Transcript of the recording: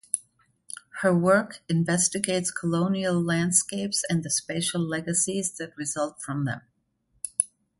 Her work investigates colonial landscapes and the spatial legacies that result from them.